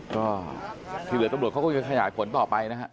ก็ที่เหลือตำรวจเขาก็จะขยายผลต่อไปนะฮะ